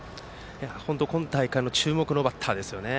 本当に今大会注目のバッターですね。